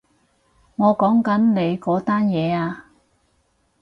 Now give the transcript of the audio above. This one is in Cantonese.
我講緊你嗰單嘢啊